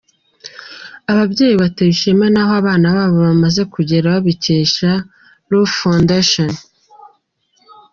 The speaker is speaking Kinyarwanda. Ababyeyi batewe ishema n'aho abana babo bamaze kugera babikesha Root Foundation.